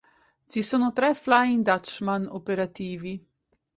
Ci sono tre "Flying Dutchman" operativi.